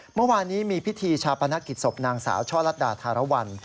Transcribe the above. เมื่อวานนี้มีพิธีชาปนกิจศพนางสาวช่อลัดดาธารวรรณ